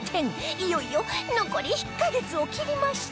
いよいよ残り１カ月を切りました